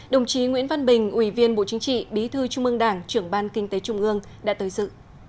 đồng chí nguyễn văn bình ủy viên bộ chính trị bí thư trung ương đảng trưởng ban kinh tế trung ương đã tới dự